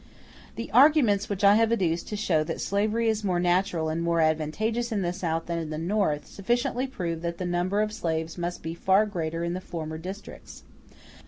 The arguments which I have adduced to show that slavery is more natural and more advantageous in the South than in the North, sufficiently prove that the number of slaves must be far greater in the former districts.